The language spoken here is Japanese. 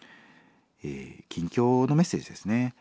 近況のメッセージですね。